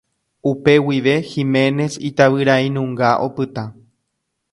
Upe guive Giménez itavyrainunga opyta.